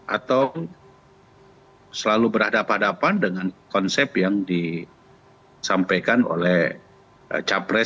atau selalu berhadapan hadapan dengan konsep yang disampaikan oleh capres